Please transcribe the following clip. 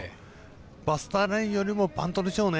バスターラインよりもバントでしょうね。